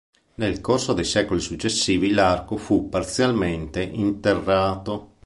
Nel corso dei secoli successivi l'arco fu parzialmente interrato.